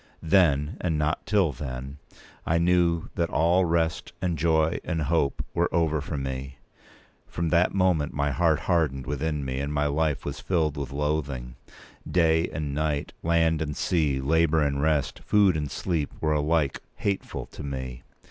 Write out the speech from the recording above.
Then, and not till then, I knew that all rest, and joy, and hope were over for me. From that moment my heart hardened within me, and my life was filled with loathing. Day and night, land and sea, labour and rest, food and sleep, were alike hateful to me.